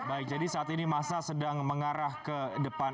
baik jadi saat ini masa sedang mengarah ke depan